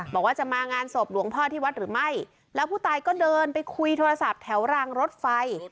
บอกว่าจะมางานศพหลวงพ่อที่วัดหรือไม่แล้วผู้ตายก็เดินไปคุยโทรศัพท์แถวรางรถไฟ